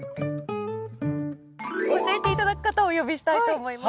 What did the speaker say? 教えて頂く方をお呼びしたいと思います。